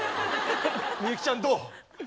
みゆきちゃんどう？